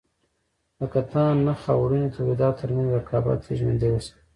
د کتان- نخ او وړینو تولیداتو ترمنځ رقابت یې ژوندی وساته.